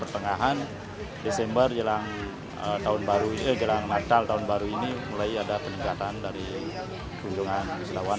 pertengahan desember jelang natal tahun baru ini mulai ada peningkatan dari kunjungan peselawan